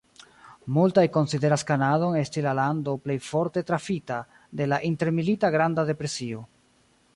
Multaj konsideras Kanadon esti la lando plej forte trafita de la intermilita Granda depresio.